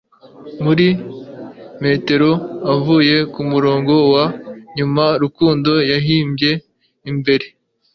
Muri metero uvuye kumurongo wa nyuma Rukundo yahimbye imbere